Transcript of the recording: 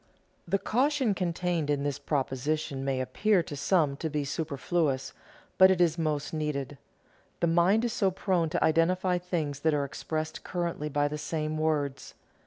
The caution contained in this proposition may appear to some to be superfluous, but it is most needed. The mind is so prone to identify things that are expressed currently by the same words.